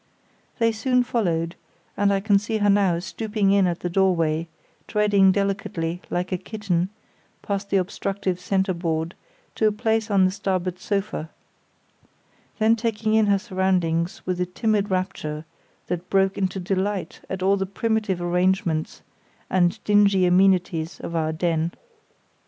They soon followed, and I can see her now stooping in at the doorway, treading delicately, like a kitten, past the obstructive centreboard to a place on the starboard sofa, then taking in her surroundings with a timid rapture that broke into delight at all the primitive arrangements and dingy amenities of our den.